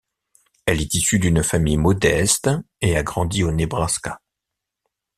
Elle est issue d'une famille modeste et a grandi au Nebraska.